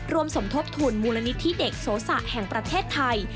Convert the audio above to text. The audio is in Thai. สมทบทุนมูลนิธิเด็กโสสะแห่งประเทศไทย